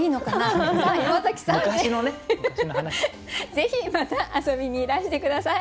ぜひまた遊びにいらして下さい。